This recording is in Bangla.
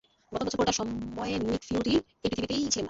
গত বছর পুরোটা সময়ে নিক ফিউরি এই পৃথিবীতেই ছিলেন না।